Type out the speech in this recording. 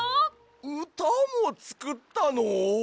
うたもつくったの？